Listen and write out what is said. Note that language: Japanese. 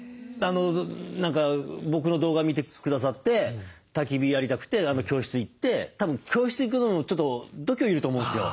何か僕の動画見てくださってたき火やりたくて教室行ってたぶん教室行くのもちょっと度胸要ると思うんですよ。